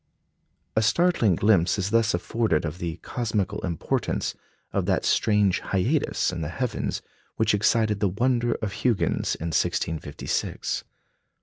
A startling glimpse is thus afforded of the cosmical importance of that strange "hiatus" in the heavens which excited the wonder of Huygens in 1656.